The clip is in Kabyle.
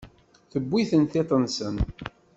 Tewwi-ten tiṭ-nsen.